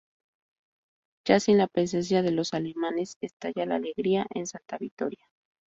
Ya sin la presencia de los alemanes, estalla la alegría en Santa Vittoria.